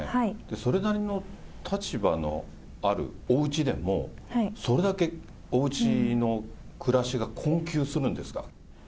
それなりの立場のあるおうちでも、それだけおうちの暮らしが困窮するんですか？